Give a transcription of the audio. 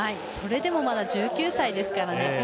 それでもまだ１９歳ですからね。